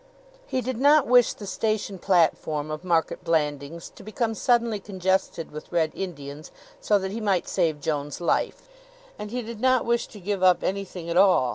He did not wish the station platform of Market Blandings to become suddenly congested with red Indians so that he might save Joan's life; and he did not wish to give up anything at all.